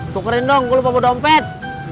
tukerin dong gue lupa bawa dompet